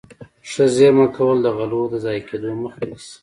ښه زيرمه کول د غلو د ضايع کېدو مخه نيسي.